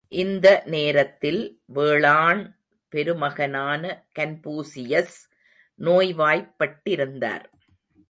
இந்த நேரத்தில் வேளாண் பெருமகனான கன்பூசியஸ் நோய்வாய்ப்பட்டிருந்தார்.